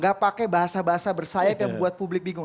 gak pakai bahasa bahasa bersayap yang membuat publik bingung